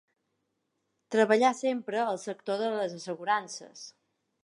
Treballà sempre al sector de les assegurances.